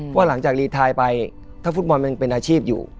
ว่าหลังจากรีไทน์ไปถ้าฟุตบอลมันยังเป็นอาชีพอยู่